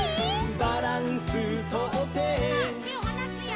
「バランスとって」さあてをはなすよ。